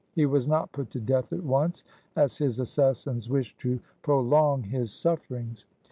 He was not put to death at once, as his assassins wished to prolong his sufferings.